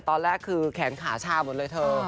ตอนแรกคือแขนขาชาหมดเลยเธอ